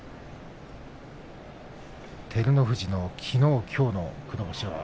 照ノ富士の、きのうきょうの黒星。